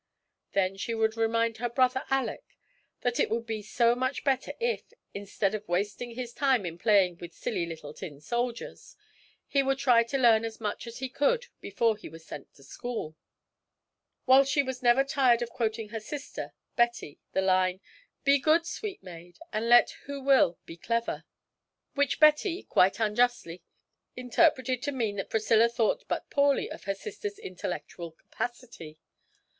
Then she would remind her brother Alick that it would be so much better if, instead of wasting his time in playing with silly little tin soldiers, he would try to learn as much as he could before he was sent to school; while she was never tired of quoting to her sister Betty the line, 'Be good, sweet maid, and let who will be clever!' which Betty, quite unjustly, interpreted to mean that Priscilla thought but poorly of her sister's intellectual capacity.